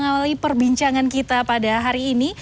saya akan mengawali perbincangan kita pada hari ini